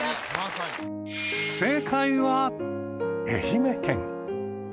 正解は愛媛県。